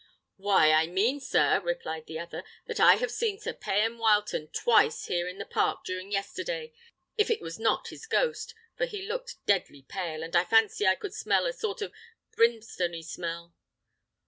"Why, I mean, sir," replied the other, "that I have seen Sir Payan Wileton twice here in the park during yesterday, if it was not his ghost; for he looked deadly pale, and I fancied I could smell a sort of brimstony smell.